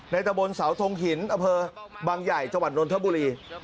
ในตะบนเสาธงหินอภบางใหญ่จัวร์นนรทบุรี